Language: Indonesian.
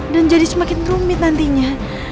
dan jadi semakin rumit nantinya